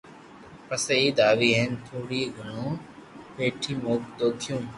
پسي عيد آوي ھين ٿوڙو گھڙو پيھئي دوکيو